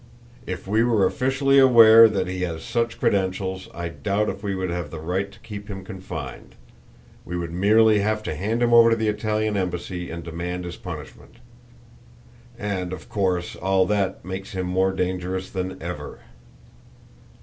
If we were officially aware that he has such credentials I doubt if we would have the right to keep him confined; we would merely have to hand him over to the Italian embassy and demand his punishment. And, of course, all that makes him more dangerous than ever."